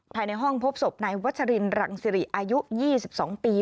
ภายในห้องพบศพนายวัชรินรังสิริอายุ๒๒ปี